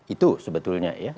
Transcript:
itu sebetulnya ya